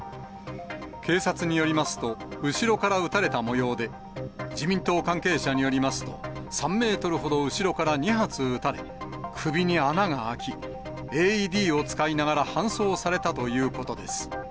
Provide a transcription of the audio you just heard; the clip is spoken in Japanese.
警察によりますと、後ろから撃たれたもようで、自民党関係者によりますと、３メートルほど後ろから２発撃たれ、首に穴が開き、ＡＥＤを使いながら搬送されたということです。